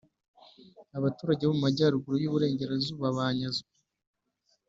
abaturage bo mu majyaruguru y' uburengerazuba banyazwe